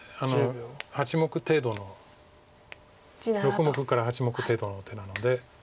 ６目から８目程度の手なので。